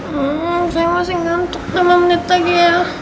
hmm saya masih ngantuk lima menit lagi ya